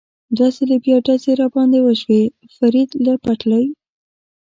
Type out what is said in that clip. دوه ځله بیا ډزې را باندې وشوې، فرید له پټلۍ.